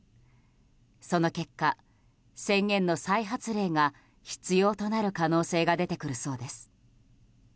その結果、宣言の再発令が必要となる可能性が出てくるそうです。